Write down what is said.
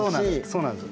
そうなんです。